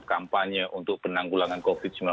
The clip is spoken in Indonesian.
kampanye untuk penanggulangan covid sembilan belas